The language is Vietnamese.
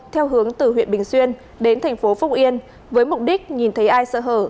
theo hướng từ huyện bình xuyên đến thành phố phúc yên với mục đích nhìn thấy ai sợ hở